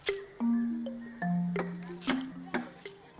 pembuatan rumah atau pembuatan kampung